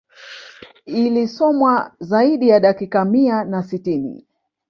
Ilisomwa zaidi ya dakika mia na sitini